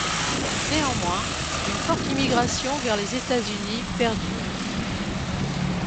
Néanmoins, une forte immigration vers les États-Unis perdure.